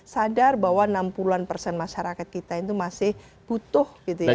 sadar bahwa enam puluh an persen masyarakat kita itu masih butuh gitu ya